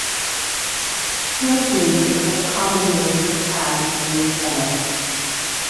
Toothleaf is a common name for plants in this genus.